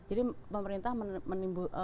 jadi pemerintah menimbulkan